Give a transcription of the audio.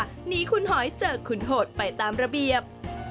หนีคุณหอยเจอคุณโหดไปตามระเบียบ